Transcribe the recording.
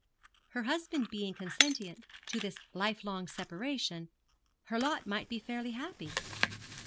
Her husband being consentient to this life long separation, her lot might be fairly happy.